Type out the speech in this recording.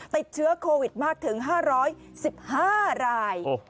ติดเชื้อโควิดมากถึง๕๑๕ราย